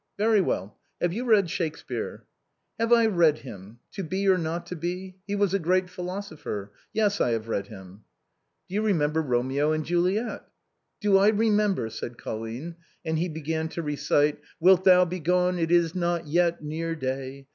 " Very well. Have you read Shakespeare ?"" Have I read him ?' To be or not to be ?' He was a great philosopher. Yes, I have read him." " Do you remember Romeo and Juliet ?"" Do I remember ?" said Colline, and he began to recite :" Wilt thou begone? it is not yet near day.